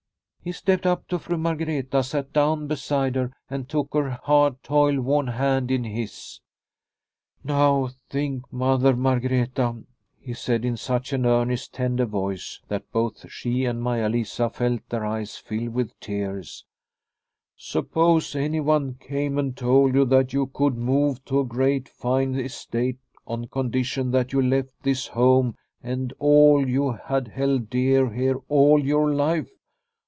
He stepped up to Fru Margreta, sat down beside her and took her hard, toil worn hand in his. " Now think, Mother Margreta," he said in such an earnest, tender voice that both she and Maia Lisa felt their eyes fill with tears, " suppose anyone came and told you that you could move to a great fine estate on condition that you left this home and all you had held dear here all your life